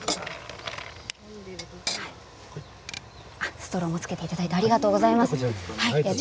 ストローもつけていただいてありがとうございます。